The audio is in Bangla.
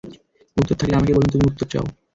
উত্তর থাকলে আমাকে বলুন তুমি উত্তর চাও?